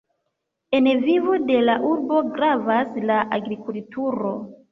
En vivo de la urbo gravas la agrikulturo.